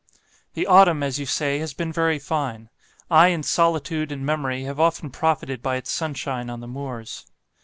"The autumn, as you say, has been very fine. I and solitude and memory have often profited by its sunshine on the moors.